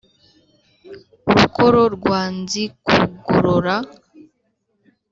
rukoro rwa nzikugorora.